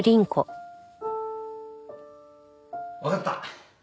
わかった。